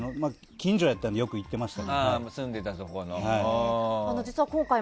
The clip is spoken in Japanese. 近所だったのでよく行ってました。